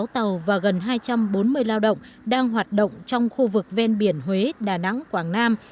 sáu tàu và gần hai trăm bốn mươi lao động đang hoạt động trong khu vực ven biển huế đà nẵng quảng nam